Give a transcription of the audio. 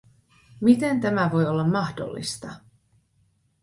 Miten tämä voi olla mahdollista?